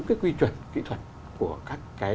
cái quy chuẩn kỹ thuật của các cái